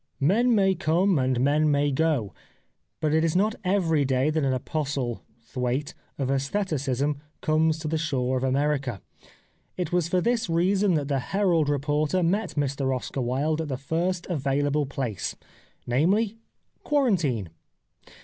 Men may come and men may go, but it is not every day that an apostle (thwaite) of sestheticism comes to the shores of America. It was for this reason that the Herald reporter met Mr Oscar Wilde at the first available place — namely, quarantine.